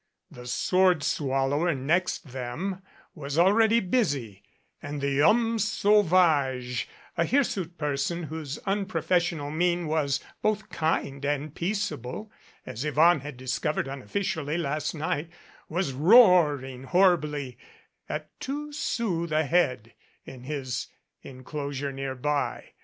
The sword swallower next them was already busy, and the Homme Sauvage, a hirsute person, whose unprofessional mien was both kind and peaceable (as Yvonne had dis covered unofficially last night), was roaring horribly, at two sous the head, in his enclosure near by.